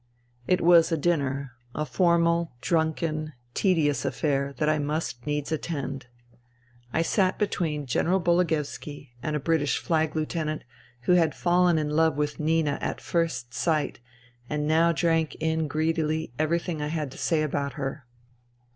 It was a dinner, a formal, drunken, tedious affair that I must needs attend. I sat between General Bologoevski and a British flag lieutenant, who had fallen in love with Nina at first sight and now drank in greedily every tiling I had to say about her.